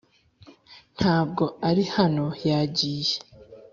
ntabwo ari hano yagiye.